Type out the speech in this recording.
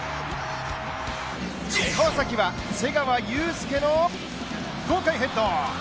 川崎は、瀬川祐輔の豪快ヘッド。